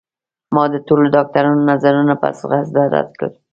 ما د ټولو ډاکترانو نظرونه په زغرده رد کړل